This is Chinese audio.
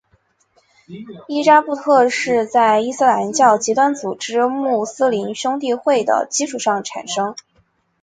伊扎布特是在伊斯兰教极端组织穆斯林兄弟会的基础上产生。